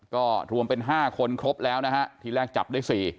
ก็รวมเป็น๕คนครบแล้วนะฮะทีแรกจับได้๔